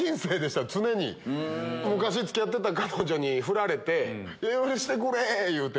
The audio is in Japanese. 昔付き合ってた彼女にフラれて許してくれ！っていうて。